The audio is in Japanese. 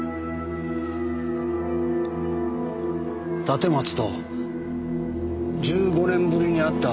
立松と１５年ぶりに会ったあの夜。